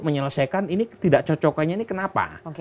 menyelesaikan ini ketidakcocokannya kenapa